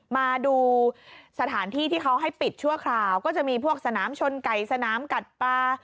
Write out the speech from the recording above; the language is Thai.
มาดูสถานที่ที่เขาให้ปิดชั่วคราวก็จะมีพวกสนามชนไก่สนามกัดปลา